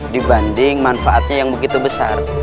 dibanding manfaatnya yang begitu besar